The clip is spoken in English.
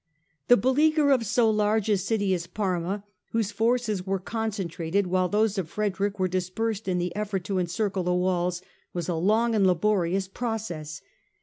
The beleaguer of so large a city as Parma, whose forces were concentrated while those of Frederick were dispersed in the effort to encircle the walls, was a long and laborious process.